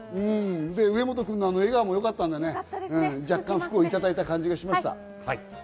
植本君の笑顔もよかったね、若干福をいただいた感じがします。